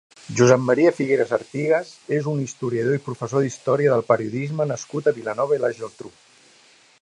Josep Maria Figueres Artigues és un historiador i professor d'història del periodisme nascut a Vilanova i la Geltrú.